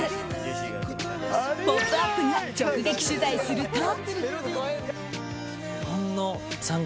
「ポップＵＰ！」が直撃取材すると。